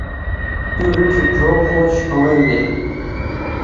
تو ریٹھی ڙھؤ خوشی ھویں گے